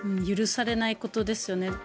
許されないことですね。